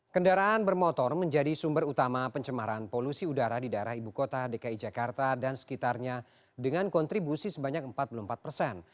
kendaraan bermotor menjadi sumber utama pencemaran polusi udara di daerah ibu kota dki jakarta dan sekitarnya dengan kontribusi sebanyak empat puluh empat persen